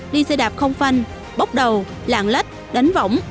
đi xe đạp không phanh bóc đầu lạng lách đánh vỏng